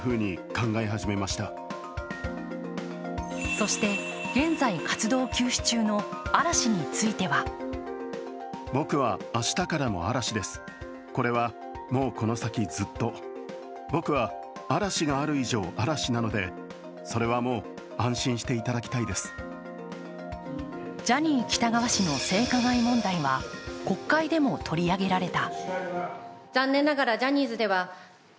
そして、現在活動休止中の嵐についてはジャニー喜多川氏の性加害問題は国会でも取り上げられた。